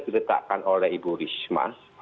diletakkan oleh ibu risma